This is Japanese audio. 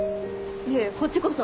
いえこっちこそ。